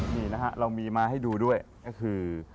นี่นะฮะเรามีมาให้ดูด้วยก็คือ